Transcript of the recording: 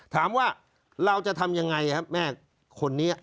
ถามว่าเราจะทำยังไงครับแม่คนนี้